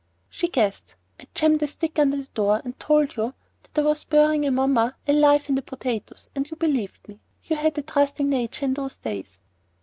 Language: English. "She guessed. I jammed a stick under the door and told you that I was burying Amomma alive in the potatoes, and you believed me. You had a trusting nature in those days."